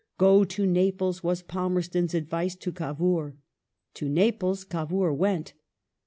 "Go to Naples," was Palmerston's advice to Cavour. To Naples Cavour went.